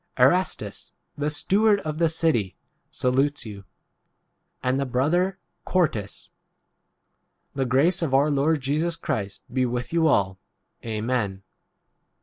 Erastus, the steward of the city, salutes you, and the brother Quar 24 tus. The grace of our Lord Jesus Christ [be] with you all. Amen.